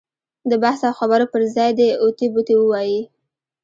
د بحث او خبرو پر ځای دې اوتې بوتې ووایي.